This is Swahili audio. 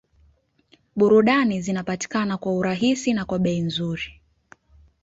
Burudani zinapatikana kwa urahisi na kwa bei nzuri